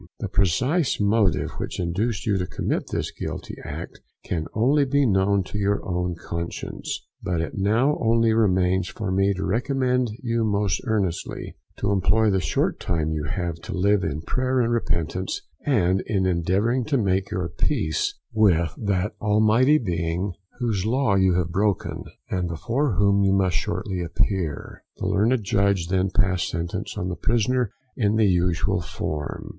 The precise motive which induced you to commit this guilty act can only be known to your own conscience; but it now only remains for me to recommend you most earnestly to employ the short time you have to live in prayer and repentance, and in endeavouring to make your peace with that Almighty Being whose law you have broken, and before whom you must shortly appear. The Learned Judge then passed sentence on the prisoner in the usual form.